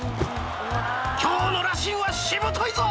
今日のラシンはしぶといぞ。